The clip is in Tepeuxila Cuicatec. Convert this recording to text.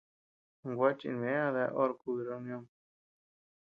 Gua chimbë a dea hora kubi reunion.